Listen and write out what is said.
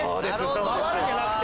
「回る」じゃなくて。